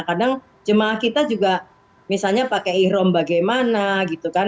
kadang jemaah kita juga misalnya pakai ikhrom bagaimana gitu kan